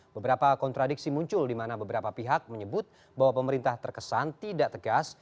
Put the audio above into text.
beberapa kontradiksi muncul di mana beberapa pihak menyebut bahwa pemerintah terkesan tidak tegas